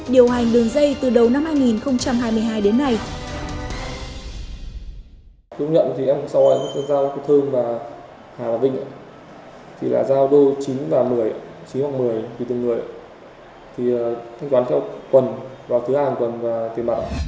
điều hành đường dây từ đầu năm hai nghìn hai mươi hai đến nay